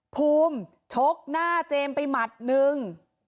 ภูมิชกหน้าเจมส์ไปหมัดนึง